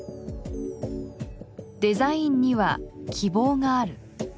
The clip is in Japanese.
「デザインには希望がある」。